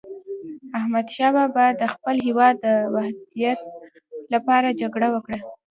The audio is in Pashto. احمد شاه بابا د خپل هیواد د وحدت لپاره جګړه وکړه.